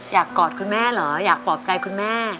กอดคุณแม่เหรออยากปลอบใจคุณแม่